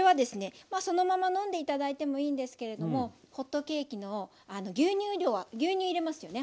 そのまま飲んで頂いてもいいんですけれどもホットケーキのあの牛乳牛乳入れますよね